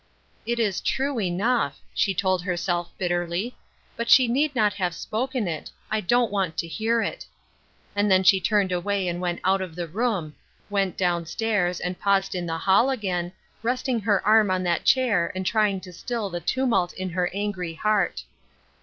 " It is true enough," she told herself, bitterly. " But she need not havf* spoken it — I don't want to hear it." And thed she turned away and went out of the room — went down stairs, and paused in the baU again. Rer Cross Seems Heavy. 17 resting her arm on that chair and trying to still the tumult in her angrj heart.